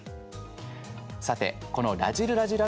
さて、この「らじる★らじる」